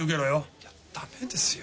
いやだめですよ。